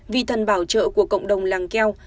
vì thần bảo trợ của cộng đồng làng keo